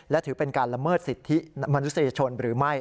และถือเป็นการละเมิดสิทธิมนุษยชนหรือไม่